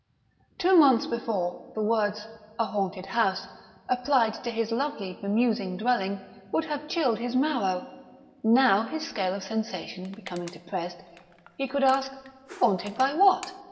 Two months before, the words "a haunted house," applied to his lovely bemusing dwelling, would have chilled his marrow; now, his scale of sensation becoming depressed, he could ask "Haunted by what?"